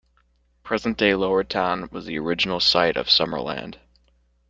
Present day Lower Town was the original town site of Summerland.